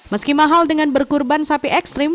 meski mahal dengan berkurban sapi ekstrim